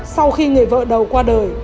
sau khi người vợ đầu qua đời